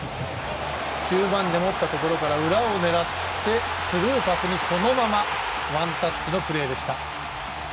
中盤で持ったところから裏を狙ってスルーパスにそのままワンタッチのプレーでした。